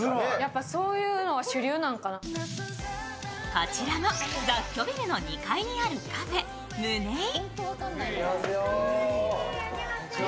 こちらも雑居ビルの２階にあるカフェ、ムネイ。